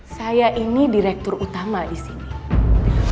saya ini direktur utama disini